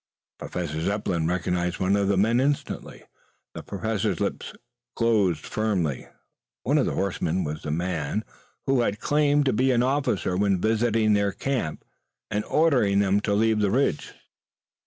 Professor Zepplin recognized one of the men instantly. The Professor's lips closed firmly. One of the horsemen was the man who had claimed to be an officer when visiting their camp and ordering them to leave the Ridge.